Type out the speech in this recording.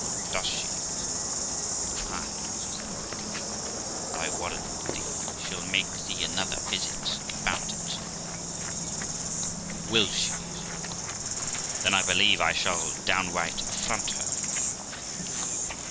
' Does she ?' said I. 'Ay', says the Quaker; 'and I warrant thee, she'll make thee another visit about it' 'Will she?' said I; ' then I believe I shall down right affront her.'